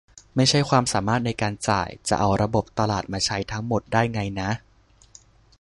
ไม่ใช่ความสามารถในการจ่าย จะเอาระบบตลาดมาใช้ทั้งหมดได้ไงนะ